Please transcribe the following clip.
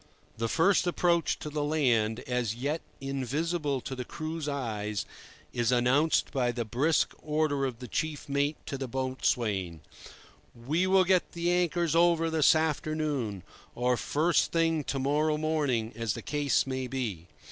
The first approach to the land, as yet invisible to the crew's eyes, is announced by the brisk order of the chief mate to the boatswain: "We will get the anchors over this afternoon" or "first thing to morrow morning," as the case may be.